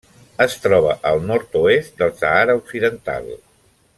Es troba al nord-oest del Sàhara Occidental.